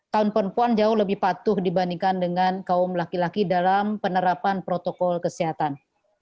kaum perempuan jauh lebih patuh dibandingkan dengan kaum laki laki dalam penerapan protokol kesehatan